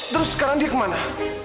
terus sekarang dia kemana